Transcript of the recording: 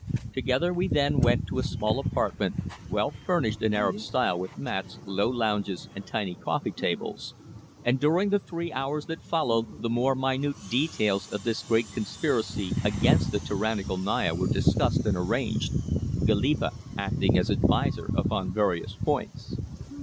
Together we then went to a small apartment, well furnished in Arab style with mats, low lounges, and tiny coffee tables, and during the three hours that followed the more minute details of this great conspiracy against the tyrannical Naya were discussed and arranged, Goliba acting as adviser upon various points.